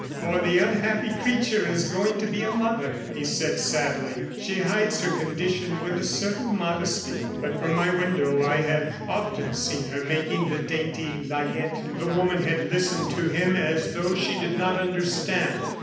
"For the unhappy creature is going to be a mother," he said sadly. "She hides her condition with a certain modesty, but from my window, I have often seen her making the dainty layette." The woman had listened to him as though she did not understand.